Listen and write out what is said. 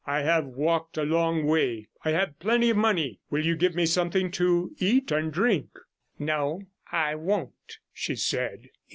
I have walked a long way. I have plenty of money. Will you give me something to eat and drink?' 'No, I won't,' she said.